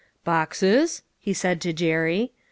"Boxes?" he said to Jerry.